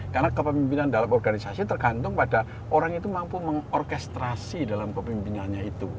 karena kepemimpinan dalam organisasi tergantung pada orang itu mampu mengorkestrasi dalam kepemimpinannya itu